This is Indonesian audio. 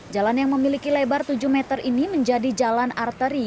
jalan yang memiliki lebar tujuh meter ini menjadi jalan arteri